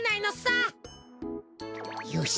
よし！